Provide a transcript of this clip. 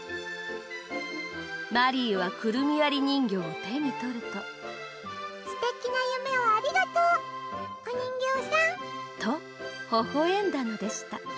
マリーはくるみわり人形を手に取るとすてきな夢をありがとうお人形さん。とほほえんだのでした。